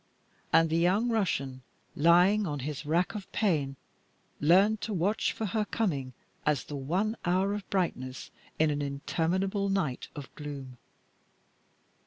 And the young Russian, lying on his rack of pain, learned to watch for her coming as the one hour of brightness in an interminable night of gloom.